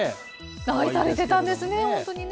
愛されてたんですね、本当にね。